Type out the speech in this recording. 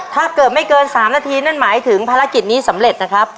ถ้าเกิดไม่เกิน๓นาทีนั่นหมายถึงภารกิจนี้สำเร็จนะครับ